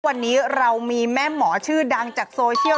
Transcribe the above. วันนี้เรามีแม่หมอชื่อดังจากโซเชียล